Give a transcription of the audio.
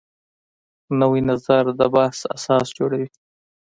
نوی نظر د بحث اساس جوړوي